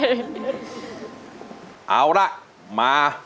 โชคชะตาโชคชะตา